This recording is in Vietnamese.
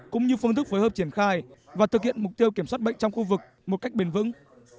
cũng như phương thức phối hợp triển khai và thực hiện mục tiêu kiểm soát bệnh trong khu vực một cách bền vững